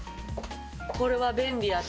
これは便利やと。